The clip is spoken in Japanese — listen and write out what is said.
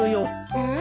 うん？